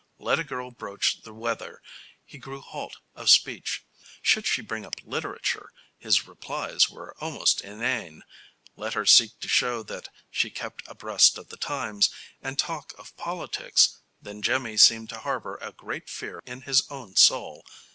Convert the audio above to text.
Let a girl broach the weather, he grew halt of speech; should she bring up literature, his replies were almost inane; let her seek to show that she kept abreast of the times, and talk of politics then Jimmy seemed to harbor a great fear in his own soul.